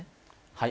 はい。